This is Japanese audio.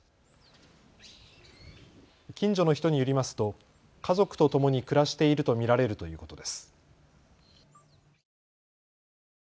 近所の人によりますと家族とともに暮らしていると見られるということです。